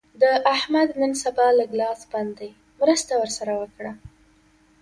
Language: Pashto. د احمد نن سبا لږ لاس بند دی؛ مرسته ور سره وکړه.